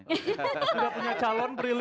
sudah punya calon prilly